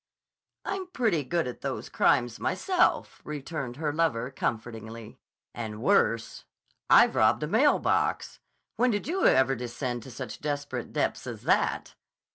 "I'm pretty good at those crimes myself," returned her lover comfortingly. "And worse. I've robbed a mail box. When did you ever descend to such desperate depths as that?"